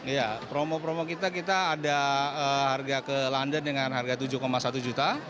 ya promo promo kita kita ada harga ke london dengan harga tujuh satu juta